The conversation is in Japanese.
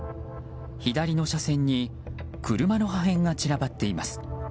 左の車線に車の破片が散らばっています。